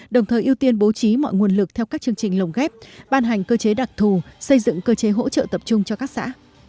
đồng thời ưu tiên bố trí mọi nguồn lực theo các chương trình lồng ghép ban hành cơ chế đặc thù xây dựng cơ chế hỗ trợ tập trung cho các xã